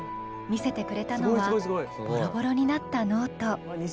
見せてくれたのはボロボロになったノート。